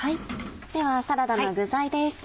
ではサラダの具材です。